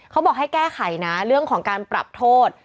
เขาบอกให้แก้ไขนะเรื่องของการปรับโทษ